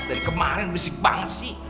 dari kemarin risik banget sih